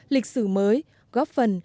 lịch sử mới góp phần